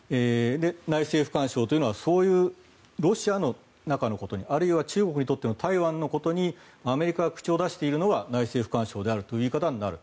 内政不干渉というのはそういうロシアの中のことあるいは中国にとっては台湾のことにアメリカが口を出しているのは内政不干渉であるという言い方になる。